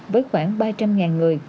với khoảng ba trăm linh người